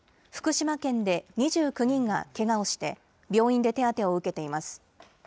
福島県で２９人がけがをして病院で手当てを受けています。